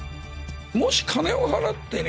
もし金を払ってね